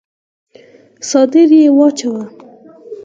څادر يې واچاوه.